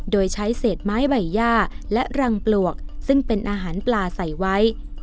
โดยใช้เศษไม้ใบย่าและรังปลวกซึ่งเป็นอาหารปลาใส่ไว้